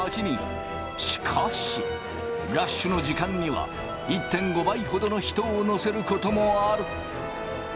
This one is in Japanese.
しかしラッシュの時間には１．５倍ほどの人を乗せることもある。